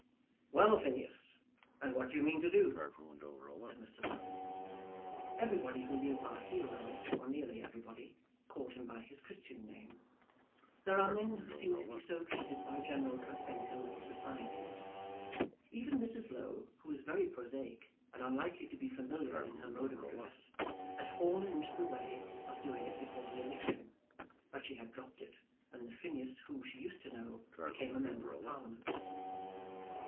"Well, Phineas, and what do you mean to do?" said Mr. Low. Everybody who knew our hero, or nearly everybody, called him by his Christian name. There are men who seem to be so treated by general consent in all societies. Even Mrs. Low, who was very prosaic, and unlikely to be familiar in her mode of address, had fallen into the way of doing it before the election. But she had dropped it, when the Phineas whom she used to know became a member of Parliament.